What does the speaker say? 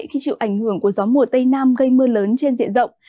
khi chịu ảnh hưởng của gió mùa tây nam gây mưa lớn trên diện rộng